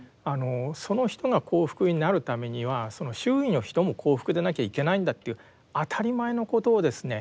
その人が幸福になるためにはその周囲の人も幸福でなきゃいけないんだという当たり前のことをですね